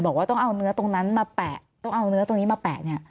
บอกว่าต้องเอาเนื้อตรงนั้นมาแปะ